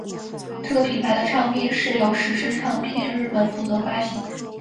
这个品牌的唱片是由史诗唱片日本负责发行。